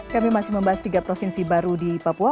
kami masih membahas tiga provinsi baru di papua